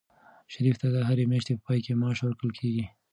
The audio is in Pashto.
شریف ته د هرې میاشتې په پای کې معاش ورکول کېږي.